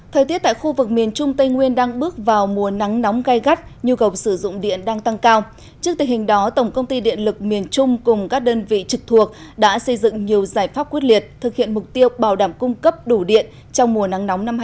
thời tiết tại khu vực miền trung tây nguyên đang bước vào mùa nắng nóng gai gắt nhu cầu sử dụng điện đang tăng cao trước tình hình đó tổng công ty điện lực miền trung cùng các đơn vị trực thuộc đã xây dựng nhiều giải pháp quyết liệt thực hiện mục tiêu bảo đảm cung cấp đủ điện trong mùa nắng nóng năm hai nghìn hai mươi bốn